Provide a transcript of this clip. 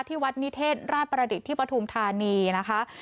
วัดนิเทศราชประดิษฐ์ที่ปฐุมธานีนะคะ